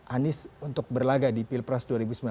anis untuk berlagak di pilpres dua ribu sembilan belas